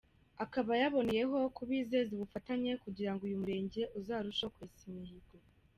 Akaba yaboneyeho kubizeza ubufatanye kugirango uyu murenge uzarusheho kwesa imihigo.